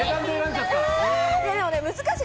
難しい。